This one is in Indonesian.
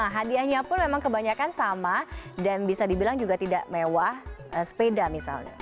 hadiahnya pun memang kebanyakan sama dan bisa dibilang juga tidak mewah sepeda misalnya